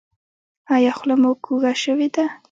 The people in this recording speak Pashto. ایا خوله مو کوږه شوې ده؟